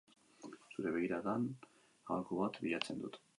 Zure begiradan aholku bat bilatzen dut.